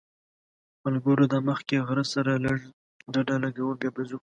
ملګرو دا مخکې غره سره لږ ډډه لګوو بیا به ځو.